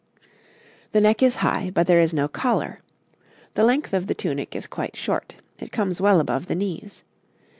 The neck is high, but there is no collar. The length of the tunic is quite short; it comes well above the knees.